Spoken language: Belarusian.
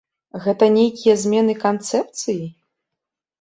Гэта нейкія змены канцэпцыі?